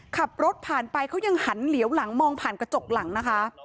ขับรถผ่านไปเขายังหันเหลียวหลังมองผ่านกระจกหลังนะคะ